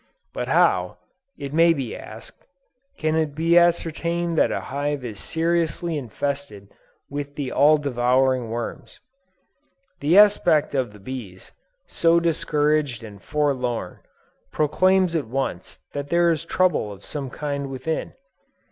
But how, it may be asked, can it be ascertained that a hive is seriously infested with the all devouring worms? The aspect of the bees, so discouraged and forlorn, proclaims at once that there is trouble of some kind within.